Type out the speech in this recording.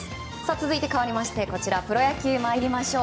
続いてかわりましてプロ野球に参りましょう。